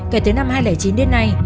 kể từ năm hai nghìn chín đến nay